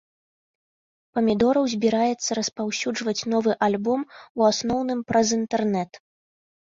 Памідораў збіраецца распаўсюджваць новы альбом у асноўным праз інтэрнэт.